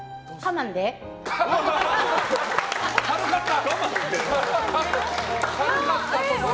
軽かった。